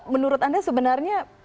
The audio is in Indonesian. menurut anda sebenarnya